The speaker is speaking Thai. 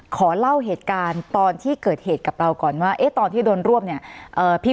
ขอเล่าเหตุการณ์ตอนที่เกิดเหตุกับเราก่อนว่าตอนที่โดนรวบเนี่ย